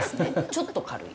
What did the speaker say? ちょっと軽い。